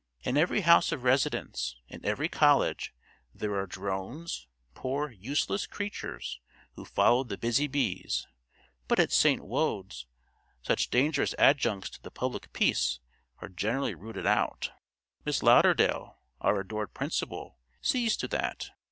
In every house of residence, in every college, there are drones, poor useless creatures, who follow the busy bees; but at St. Wode's such dangerous adjuncts to the public peace are generally rooted out. Miss Lauderdale, our adored principal, sees to that.